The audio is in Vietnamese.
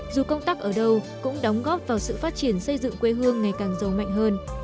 dù công tác ở đâu cũng đóng góp vào sự phát triển xây dựng quê hương ngày càng giàu mạnh hơn